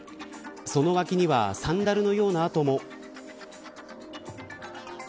その脇はサンダルのようなあとも。